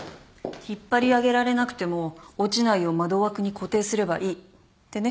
引っ張り上げられなくても落ちないよう窓枠に固定すればいいってね。